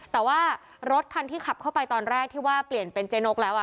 แต่ว่ารถคันที่ขับเข้าไปตอนแรกที่ว่าเปลี่ยนเป็นเจ๊นกแล้ว